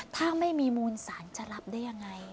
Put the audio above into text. ถ้าไม่มีมูลสารจะรับได้ยังไง